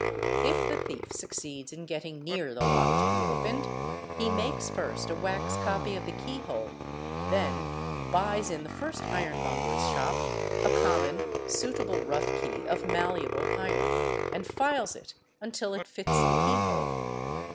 If the thief succeeds in getting near the lock to be opened, he makes first a wax copy of the key hole, then buys in the first ironmonger's shop a common, suitable rough key of malleable iron, and files it until it fits the keyhole.